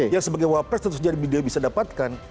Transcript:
yang sebagai wapres tentu saja beliau bisa dapatkan